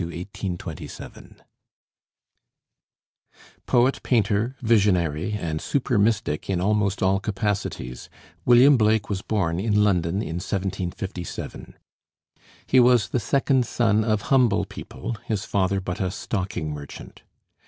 WILLIAM BLAKE (1757 1827) Poet painter, visionary, and super mystic in almost all capacities, William Blake was born in London in 1757. He was the second son of humble people his father but a stocking merchant.